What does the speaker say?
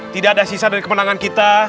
tidak ada sisa dari kemenangan kita